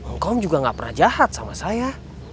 ngkom juga nggak pernah jahat sama saya